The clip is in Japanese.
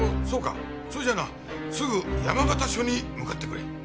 それじゃなすぐ山形署に向かってくれ。